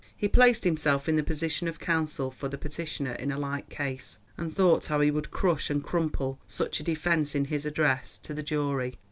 He placed himself in the position of counsel for the petitioner in a like case, and thought how he would crush and crumple such a defence in his address to the jury.